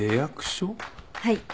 はい。